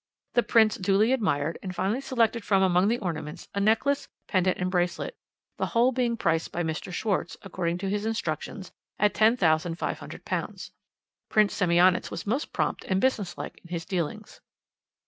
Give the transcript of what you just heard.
The Prince duly admired, and finally selected from among the ornaments a necklace, pendant, and bracelet, the whole being priced by Mr. Schwarz, according to his instructions, at £10,500. Prince Semionicz was most prompt and businesslike in his dealings.